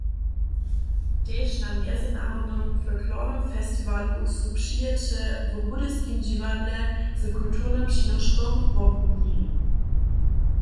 Tež na mjezynarodnym folklornym festiwalu su přijeće w Budyskim dźiwadle z kulturnym přinoškom wobrubili.